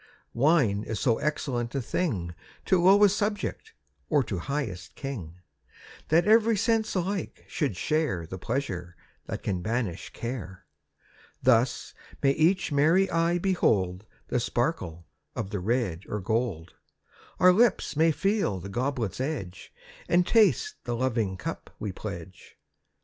Wine is so excellent a thing To lowest subject, or to highest king, That every sense alike should share The pleasure that can banish care. Thus may each merry eye behold The sparkle of the red or gold. Our lips may feel the goblet's edge And taste the loving cup we pledge.